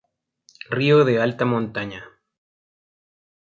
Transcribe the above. Río de alta montaña.